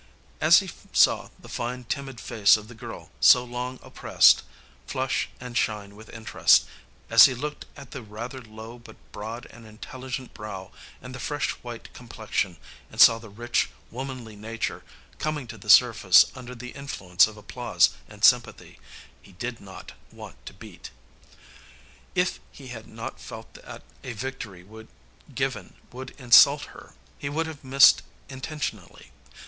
As he saw the fine, timid face of the girl so long oppressed flush and shine with interest; as he looked at the rather low but broad and intelligent brow and the fresh, white complexion and saw the rich, womanly nature coming to the surface under the influence of applause and sympathy he did not want to beat. If he had not felt that a victory given would insult her, he would have missed intentionally.